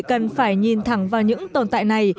cần phải nhìn thẳng vào những tồn tại này